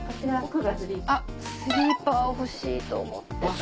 スリーパー欲しいと思ってた。